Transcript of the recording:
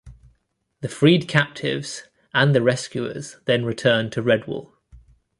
The freed captives and the rescuers then return to Redwall.